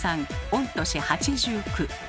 御年８９。